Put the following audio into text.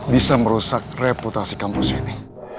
bisa merusak reputasi kampus ini